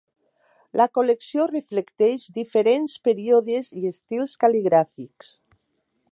La col·lecció reflecteix diferents períodes i estils cal·ligràfics.